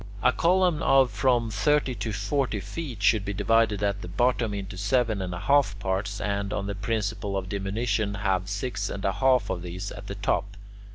A column of from thirty to forty feet should be divided at the bottom into seven and a half parts, and, on the principle of diminution, have six and a half of these at the top.